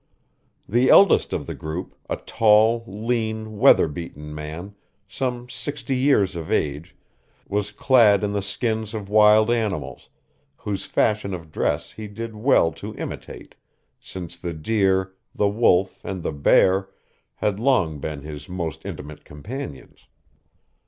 The eldest of the group, a tall, lean, weather beaten man, some sixty years of age, was clad in the skins of wild animals, whose fashion of dress he did well to imitate, since the deer, the wolf, and the bear, had long been his most intimate companions.